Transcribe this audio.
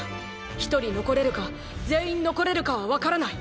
一人残れるか全員残れるかはわからない！